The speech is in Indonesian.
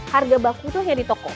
harga baku itu hanya di toko